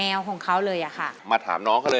รับเพริ่มครั้งนี้